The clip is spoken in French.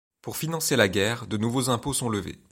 Pour financer la guerre, de nouveaux impôts sont levés.